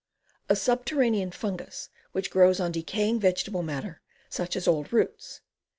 A subterranean fungus which grows on decaying vegetable matter, such as old roots.